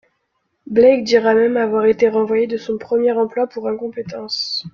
Blake dira même avoir été renvoyé de son premier emploi pour incompétence.